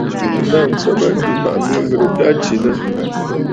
Nɨ̀ naŋsə mânjì M̀màꞌàmb ŋ̀ghɨrə t à tsinə!.